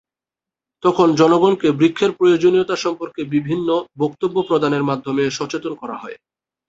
তখন জনগণকে বৃক্ষের প্রয়োজনীয়তা সম্পর্কে বিভিন্ন বক্তব্য প্রদানের মাধ্যমে সচেতন করা হয়।